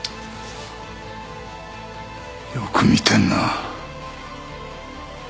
よく見てんな。